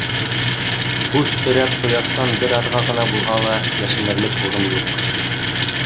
Күҙ терәп ҡояштан бер аҙға ғына булһа ла йәшенерлек урын юҡ.